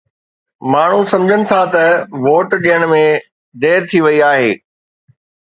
ماڻهو سمجهن ٿا ته ووٽ ڏيڻ ۾ دير ٿي وئي آهي.